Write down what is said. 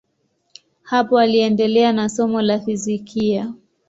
Hapo aliendelea na somo la fizikia.